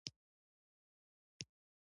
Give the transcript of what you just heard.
د دې لارښوونې یو اړخ دا دی.